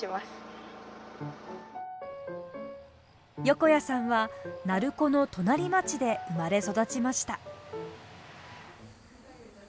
横谷さんは鳴子の隣町で生まれ育ちました。